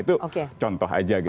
itu contoh aja gitu